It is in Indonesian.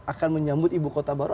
akan menyambut ibu kota baru